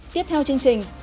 tiếp theo chương trình